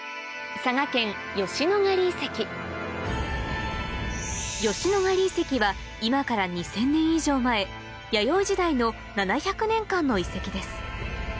佐賀県吉野ヶ里遺跡は今から２０００年以上前弥生時代の７００年間の遺跡です